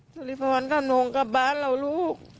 สลิภรกันวงกลับบ้านเราลูก